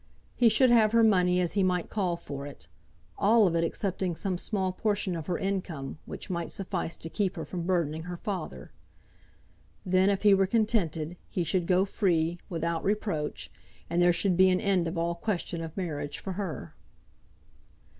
He should have her money as he might call for it, all of it excepting some small portion of her income, which might suffice to keep her from burdening her father. Then, if he were contented, he should go free, without reproach, and there should be an end of all question of marriage for her.